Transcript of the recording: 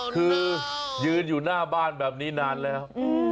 คือยืนอยู่หน้าบ้านแบบนี้นานแล้ว